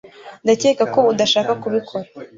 Ndakeka ko udashaka kubikora